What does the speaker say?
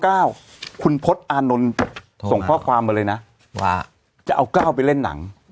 คุณพฤษอานนท์ส่งข้อความมาเลยนะว่าจะเอาก้าวไปเล่นหนัง